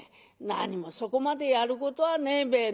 何もそこまでやることはねえべ」。